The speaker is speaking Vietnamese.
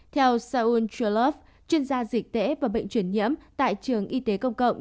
theo saun chulov chuyên gia dịch tễ và bệnh chuyển nhiễm tại trường y tế công cộng